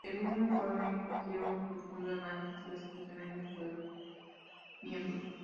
El mismo informe sugiere un profundo análisis de la situación en los estados miembros.